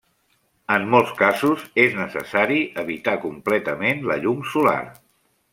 En molts casos, és necessari evitar completament la llum solar.